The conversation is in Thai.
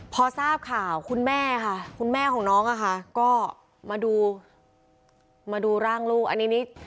พอทราบข่าวคุณแม่ค่ะคุณแม่ของน้องอะค่ะก็มาดูมาดูร่างลูกอันนี้นี่